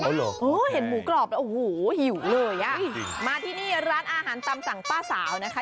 เอาเหรอโอ้โหเห็นหมูกรอบแล้วอูหูหิวเลยนะร้านอาหารตำตำป้าสาวนะคะ